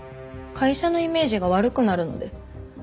会社のイメージが悪くなるので。